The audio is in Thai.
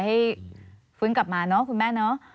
ให้ฟื้นกลับมาเนอะคุณแม่เนาะ